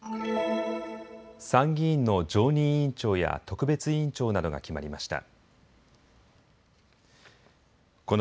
参議院の常任委員長や特別委員長などが決まりました。